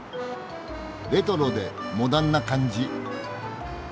レトロでモダンな感じ。